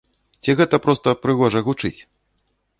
Ці гэта проста прыгожа гучыць?